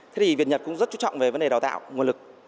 thế thì việt nhật cũng rất chú trọng về vấn đề đào tạo nguồn lực